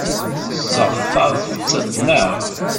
Tesseɣtaḍ-tt, naɣ?